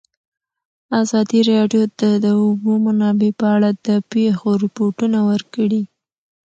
ازادي راډیو د د اوبو منابع په اړه د پېښو رپوټونه ورکړي.